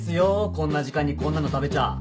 こんな時間にこんなの食べちゃ